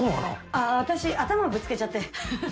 ああ私頭ぶつけちゃって。